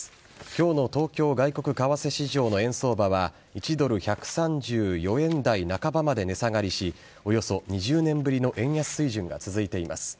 今日の東京外国為替市場の円相場は１ドル１３４円台半ばまで値下がりしおよそ２０年ぶりの円安水準が続いています。